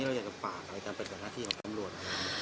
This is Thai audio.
อย่างนี้เราอยากจะฝากอะไรกันเป็นภาษาที่ของกำรวจ